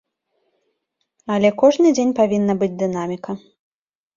Але кожны дзень павінна быць дынаміка.